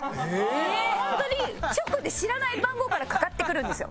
ホントに直で知らない番号からかかってくるんですよ。